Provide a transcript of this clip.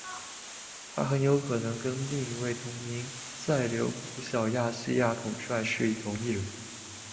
他很有可能跟另一位同名的塞琉古小亚细亚统帅是同一人。